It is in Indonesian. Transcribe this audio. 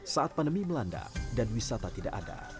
saat pandemi melanda dan wisata tidak ada